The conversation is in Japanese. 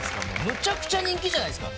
むちゃくちゃ人気じゃないですか。